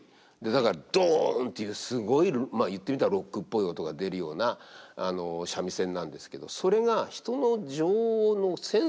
だからドンというすごいまあ言ってみたらロックっぽい音が出るような三味線なんですけど。